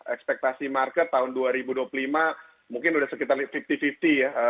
ekspektasi market tahun dua ribu dua puluh lima mungkin sudah sekitar lima puluh lima puluh ya